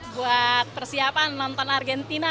buat persiapan nonton argentina